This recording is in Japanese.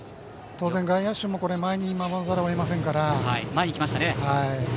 当然、外野手も前に守らざるを得ませんから。